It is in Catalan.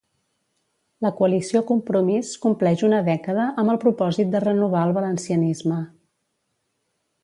La Coalició Compromís compleix una dècada amb el propòsit de renovar el valencianisme.